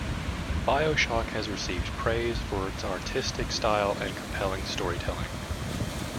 "BioShock" has received praise for its artistic style and compelling storytelling.